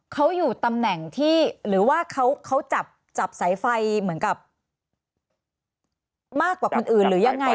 เขาอยู่ตำแหน่งที่หรือว่าเขาจับสายไฟเหมือนกับมากกว่าคนอื่นหรือยังไง